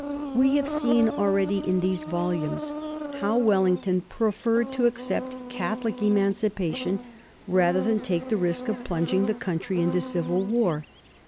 We have seen already in these volumes how Wellington preferred to accept Catholic Emancipation rather than take the risk of plunging the country into civil war.